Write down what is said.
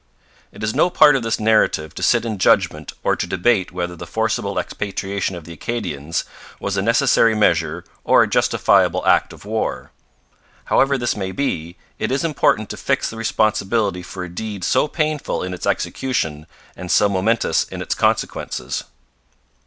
It is no part of this narrative to sit in judgment or to debate whether the forcible expatriation of the Acadians was a necessary measure or a justifiable act of war. However this may be, it is important to fix the responsibility for a deed so painful in its execution and so momentous in its consequences.